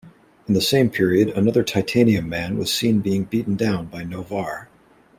In the same period, another Titanium Man was seen being beaten down by Noh-Varr.